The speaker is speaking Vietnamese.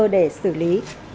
để xử lý